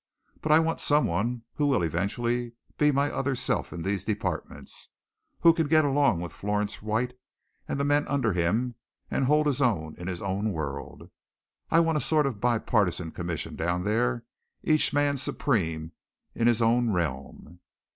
But I want someone who will eventually be my other self in these departments, who can get along with Florence White and the men under him and hold his own in his own world. I want a sort of bi partisan commission down there each man supreme in his own realm."